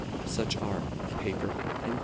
Such are paper and glafs.